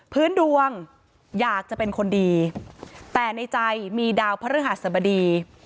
พื้นดวงอยากจะเป็นคนดีแต่ในใจมีดาวพระฤหัสบดี